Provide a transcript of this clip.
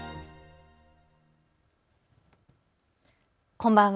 こんばんは。